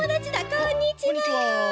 こんにちは！